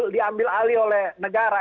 diambil alih oleh negara